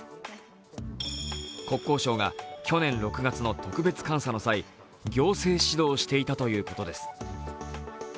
国交省が去年６月の特別監査の際行政指導していたということです。